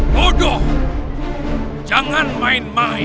saya meng sexuality